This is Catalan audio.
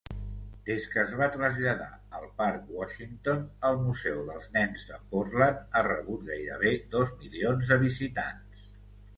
Des que es va traslladar al Parc Washington, el museu dels Nens de Portland ha rebut gairebé dos milions de visitants.